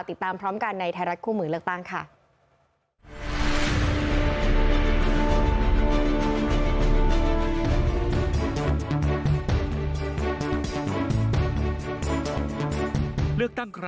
ติดตามพร้อมกันในไทยรัฐคู่มือเลือกตั้งค่ะ